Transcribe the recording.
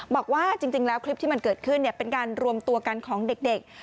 บอกว่าจริงแล้วคลิปที่มันเกิดขึ้นเป็นการรวมตัวกันของเด็ก